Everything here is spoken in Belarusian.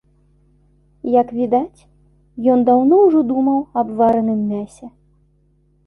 Як відаць, ён даўно ўжо думаў аб вараным мясе.